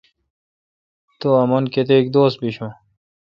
تو امں کیتک دوس بشون۔